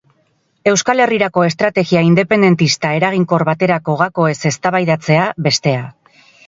Euskal Herrirako estrategia independentista eraginkor baterako gakoez eztabaidatzea, bestea.